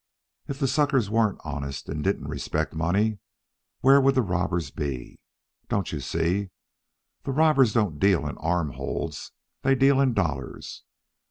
If the suckers weren't honest and didn't respect money, where would the robbers be? Don't you see? The robbers don't deal in arm holds; they deal in dollars.